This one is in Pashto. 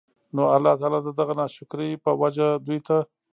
نو الله تعالی د دغه ناشکرۍ په وجه دوی ته